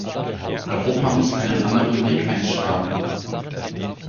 Europa muss einen anderen Weg einschlagen.